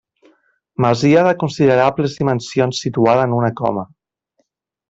Masia de considerables dimensions situada en una coma.